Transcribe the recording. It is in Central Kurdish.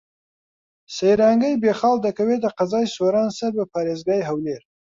سەیرانگەی بێخاڵ دەکەوێتە قەزای سۆران سەر بە پارێزگای هەولێر.